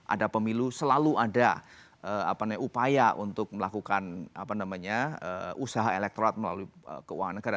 ada pemilu selalu ada upaya untuk melakukan usaha elektorat melalui keuangan negara